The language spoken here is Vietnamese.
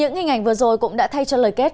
những hình ảnh vừa rồi cũng đã thay cho lời kết